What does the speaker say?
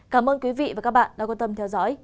cảm ơn quý vị và các bạn đã quan tâm theo dõi